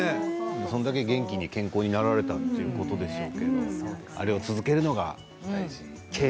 それだけ元気に健康になられたということですけどあれを続けるのが大事。